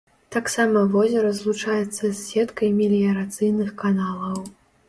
Таксама возера злучаецца з сеткай меліярацыйных каналаў.